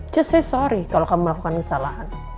just i sorry kalau kamu melakukan kesalahan